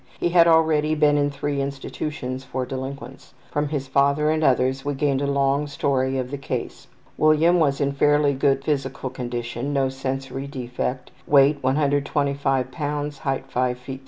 He had already been in three institutions for delinquents. From his father and others we gained a long story of the case. William was in fairly good physical condition. No sensory defect. Weight 125 lbs.; height 5 ft.